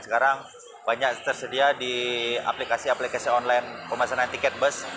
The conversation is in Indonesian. sekarang banyak tersedia di aplikasi aplikasi online pemasaran tiket bus